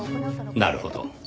なるほど。